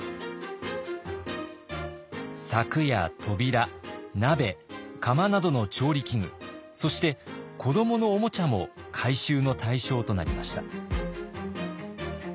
柵や扉鍋釜などの調理器具そして子どものおもちゃも回収の対象となりました。